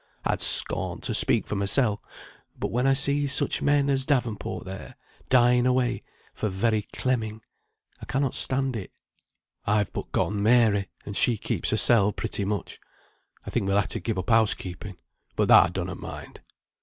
I'd scorn to speak for mysel; but when I see such men as Davenport there dying away, for very clemming, I cannot stand it. I've but gotten Mary, and she keeps hersel pretty much. I think we'll ha' to give up house keeping; but that I donnot mind."